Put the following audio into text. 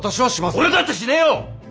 俺だってしねえよ！